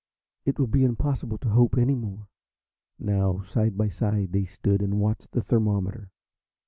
It will be impossible to hope any more." Now, side by side, they stood and watched the thermometer.